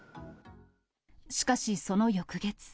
しかし、その翌月。